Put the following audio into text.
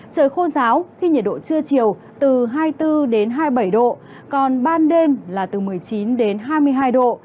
trời khô ráo khi nhiệt độ trưa chiều từ hai mươi bốn hai mươi bảy độ còn ban đêm là từ một mươi chín đến hai mươi hai độ